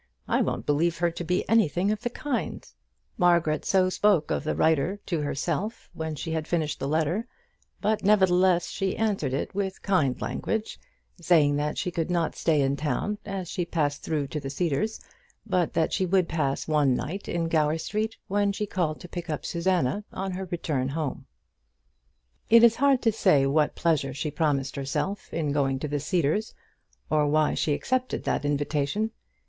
I won't believe her to be anything of the kind," Margaret so spoke of the writer to herself, when she had finished the letter; but, nevertheless, she answered it with kind language, saying that she could not stay in town as she passed through to the Cedars, but that she would pass one night in Gower Street when she called to pick up Susanna on her return home. It is hard to say what pleasure she promised herself in going to the Cedars, or why she accepted that invitation.